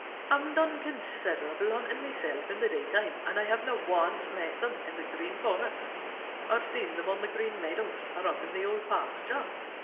I've done considerable hunting myself in the daytime, and I haven't once met them in the Green Forest or seen them on the Green Meadows or up in the Old Pasture.